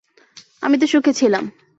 আমি তো সুখে ছিলাম।